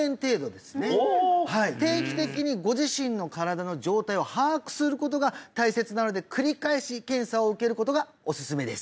定期的にご自身の身体の状態を把握することが大切なので繰り返し検査を受けることがおすすめです